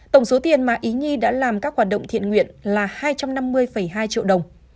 tổng số tiền mà ý nhi đã làm các hoạt động thiện nguyện là hai trăm năm mươi hai triệu đồng